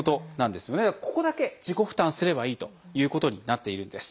ここだけ自己負担すればいいということになっているんです。